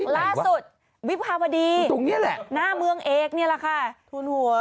ล่าสุดวิภาวดีตรงนี้แหละหน้าเมืองเอกนี่แหละค่ะทูลหัว